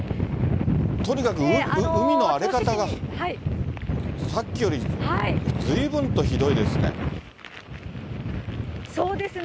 とにかく海の荒れ方が、さっきよりずいぶんとひどいですね。